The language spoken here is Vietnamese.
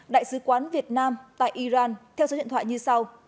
đại sứ quán việt nam tại iran theo số điện thoại như sau